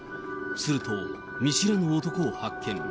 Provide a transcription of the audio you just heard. すると、見知らぬ男を発見。